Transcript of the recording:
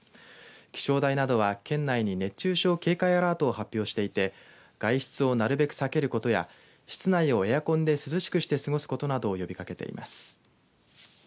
気象台などは県内に熱中症警戒アラートを発表していて外出をなるべく避けることや室内をエアコンで涼しくして過ごすことなどを呼びかけています。